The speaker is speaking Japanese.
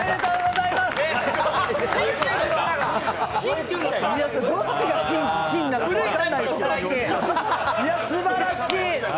いや、すばらしい！